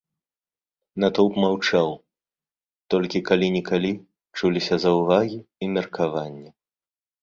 Натоўп маўчаў, толькі калі-нікалі чуліся заўвагі і меркаванні.